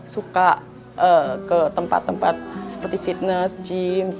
suka ke tempat tempat seperti fitness gym